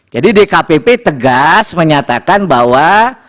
dkpp tegas menyatakan bahwa